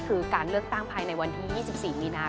คือการเลือกตั้งภายในวันที่๒๔มีนาค